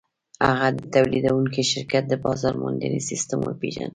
هغه د تولیدوونکي شرکت د بازار موندنې سیسټم وپېژند